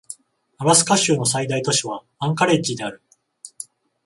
アラスカ州の最大都市はアンカレッジである